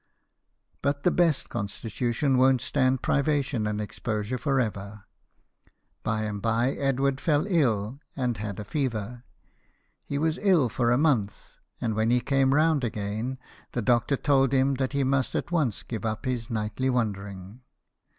But the best constitution won't stand priva tion and exposure for ever. By and by Edward fell ill, and had a fever. He was ill for a month, and when he came round again the doctor told him that he must at once give up his nightly wandering.